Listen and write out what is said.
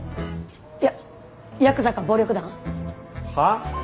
いやヤクザか暴力団？はあ？